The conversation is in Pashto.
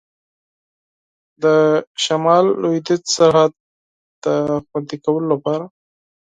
د شمال لوېدیځ سرحد د خوندي کولو لپاره.